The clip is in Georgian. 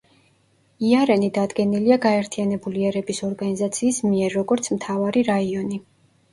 იარენი დადგენილია გაერთიანებული ერების ორგანიზაციის მიერ, როგორც „მთავარი რაიონი“.